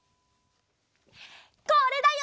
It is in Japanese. これだよ！